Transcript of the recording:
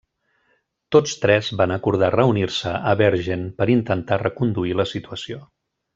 Tots tres van acordar reunir-se a Bergen per intentar reconduir la situació.